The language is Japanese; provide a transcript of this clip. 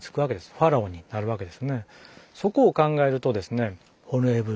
ファラオになるわけですね。